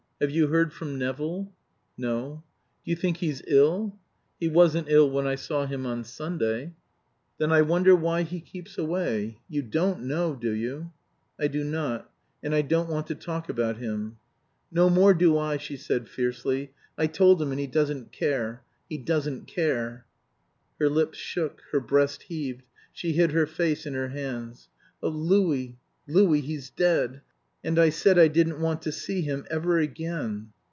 "Have you heard from Nevill?" "No." "Do you think he's ill?" "He wasn't ill when I saw him on Sunday." "Then I wonder why he keeps away. You don't know, do you?" "I do not. And I don't want to talk about him." "No more do I!" she said fiercely. "I told him and he doesn't care. He doesn't care!" Her lips shook; her breast heaved; she hid her face in her hands. "Oh, Louis, Louis, he's dead! And I said I didn't want to see him ever again!"